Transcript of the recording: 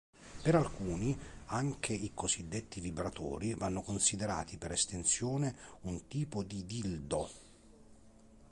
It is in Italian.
Per alcuni, anche i cosiddetti vibratori vanno considerati per estensione un tipo di "dildo".